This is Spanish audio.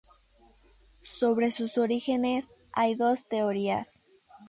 Sobre sus orígenes hay dos teorías.